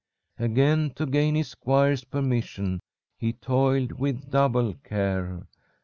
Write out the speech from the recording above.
"Again to gain his squire's permission he toiled with double care.